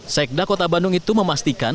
sekda kota bandung itu memastikan